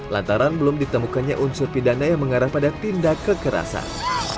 lantaran belum ditemukannya unsur pidana yang mengarah pada tindak kekerasan